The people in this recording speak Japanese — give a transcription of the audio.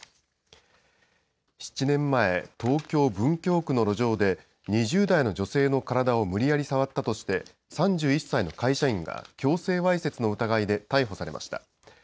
７年前、東京・文京区の路上で、２０代の女性の体を無理やり触ったとして、３１歳の会社員が、強制わいせつの疑いで逮捕されました。